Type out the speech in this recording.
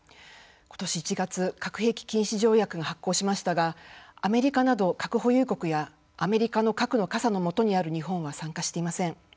ことし１月核兵器禁止条約が発効しましたがアメリカなど核保有国やアメリカの核の傘の下にある日本は参加していません。